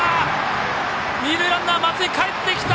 二塁ランナー、かえってきた！